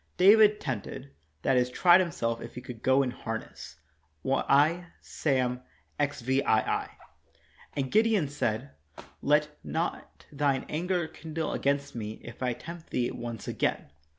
David tempted; that is, tried himself if he could go in harness (I. Sam., xvii). And Gideon said: "Let not thine anger kindle against me, if I tempt thee once again.